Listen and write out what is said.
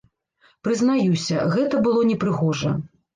Прызнаюся, гэта было непрыгожа.